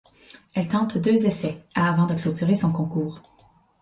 Elle tente deux essais à avant de clôturer son concours.